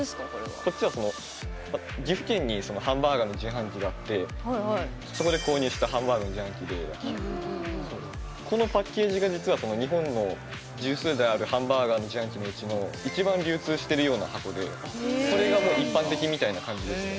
こっちは岐阜県にハンバーガーの自販機があってそこで購入したハンバーガーの自販機でこのパッケージが実は日本の十数台あるハンバーガーの自販機のうちの一番流通してるような箱でそれがもう一般的みたいな感じですね。